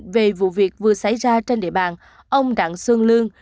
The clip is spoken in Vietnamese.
về vụ việc vừa xảy ra trên địa bàn ông đặng xuân lương